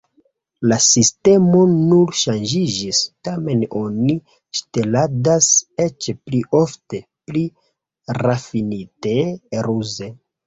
La sistemo nun ŝanĝiĝis, tamen oni ŝteladas eĉ pli ofte, pli rafinite, ruze.